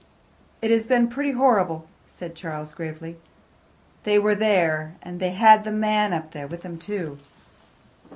"It has been pretty horrible," said Charles gravely. "They were there, and they had the man up there with them too."